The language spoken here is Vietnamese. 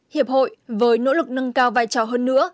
hiệp hội với nỗ lực nâng cao vai trò hơn nữa